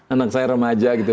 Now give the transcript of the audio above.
anak saya remaja gitu